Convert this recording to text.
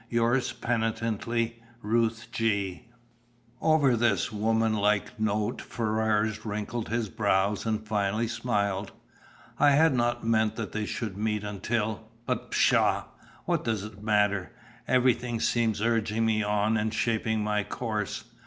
"Yours penitently, "RUTH G." Over this womanlike note Ferrars wrinkled his brows, and finally smiled. "I had not meant that they should meet until but pshaw! What does it matter? Everything seems urging me on and shaping my course.